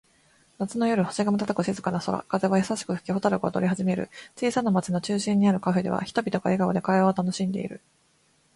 夏の夜、星が瞬く静かな空。風は優しく吹き、蛍が踊り始める。小さな町の中心にあるカフェでは、人々が笑顔で会話を楽しんでいる。